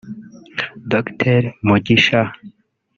Dr Mugisha